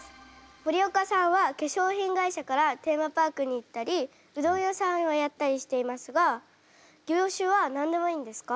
森岡さんは化粧品会社からテーマパークに行ったりうどん屋さんをやったりしていますが業種は何でもいいんですか？